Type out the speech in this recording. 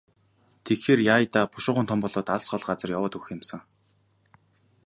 Тэгэхээр яая даа, бушуухан том болоод л алс хол газар яваад өгөх юм сан.